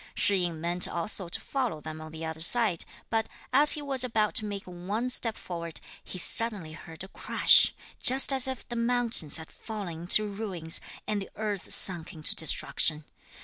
Shih yin meant also to follow them on the other side, but, as he was about to make one step forward, he suddenly heard a crash, just as if the mountains had fallen into ruins, and the earth sunk into destruction.